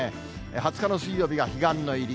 ２０日の水曜日が彼岸の入り。